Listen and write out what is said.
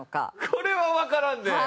これはわからんね。